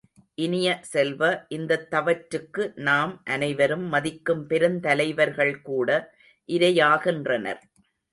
இனிய செல்வ, இந்தத் தவற்றுக்கு நாம் அனைவரும் மதிக்கும் பெருந்தலைவர்கள் கூட இரையாகின்றனர்.